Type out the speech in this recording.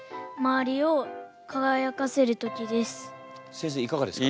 先生いかがですか？